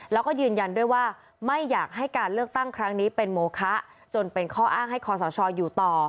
แล้วก็ยืนยันด้วยว่าไม่อยากให้การเลือกตั้งครั้งนี้เป็นโมคะจนเป็นข้ออ้างให้คอสชอยู่ต่อ